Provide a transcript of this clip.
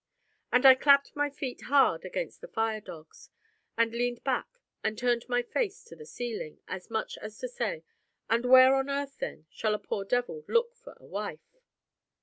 And I clapped my feet hard against the fire dogs, and leaned back, and turned my face to the ceiling, as much as to say, And where on earth, then, shall a poor devil look for a wife?